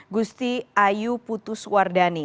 gusti ayu putuswardani